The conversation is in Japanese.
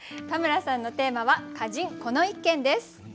田村さんのテーマは「歌人、この一軒」です。